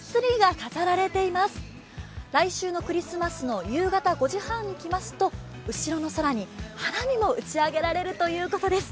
飾られています、来週のクリスマスの夕方５時半に来ますと後ろの空に花火も打ち上げられるということです。